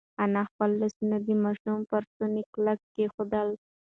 انا خپل لاسونه د ماشوم پر ستوني کلک کېښودل.